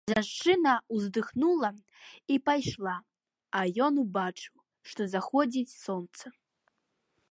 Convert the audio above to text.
Жанчына ўздыхнула і пайшла, а ён убачыў, што заходзіць сонца.